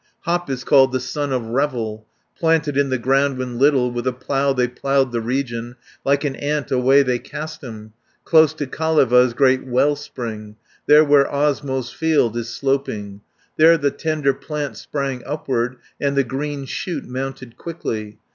"Hop is called the son of Revel; Planted in the ground when little, With a plough they ploughed the region, Like an ant, away they cast him Close to Kaleva's great well spring, There where Osmo's field is sloping; There the tender plant sprang upward, And the green shoot mounted quickly.